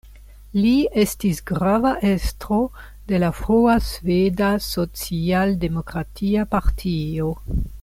Li estis grava estro de la frua Sveda socialdemokratia partio.